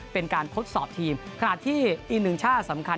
เป็นการทดสอบทีมขณะที่อีกหนึ่งชาติสำคัญ